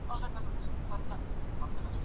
هغه خر چي تر پرونه به پر سپور وو